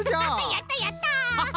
やったやった！